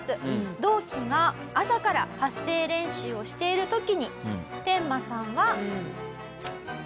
同期が朝から発声練習をしている時にテンマさんは。